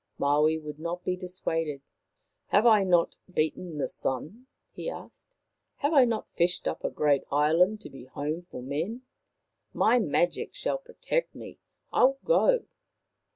'* Maui would not be dissuaded. " Have I not beaten the Sun ?" he asked. " Have I not fished up a great island to be a home for men ? My magic shall protect me. I will go."